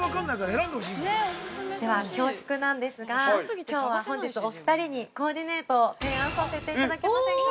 では、恐縮なんですがきょうは、本日お二人にコーディネートを提案させていただけませんか。